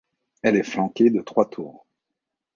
Elle est flanquée de trois tours.